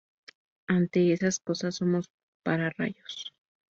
Ante esas cosas somos pararrayos.""...